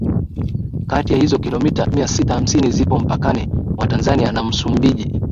kati ya hizo kilometa mia sita hamsini zipo mpakani mwa Tanzania na Msumbiji